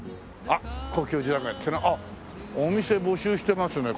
あっお店募集してますね